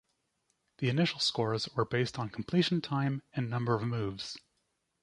The initial scores were based on completion time and number of moves.